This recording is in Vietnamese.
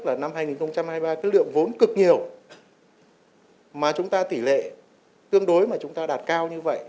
là năm hai nghìn hai mươi ba cái lượng vốn cực nhiều mà chúng ta tỷ lệ tương đối mà chúng ta đạt cao như vậy